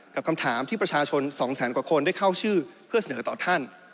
กับคำถามที่ประชาชน๒แสนกว่าคนได้เข้าชื่อเพื่อเสนอต่อท่าน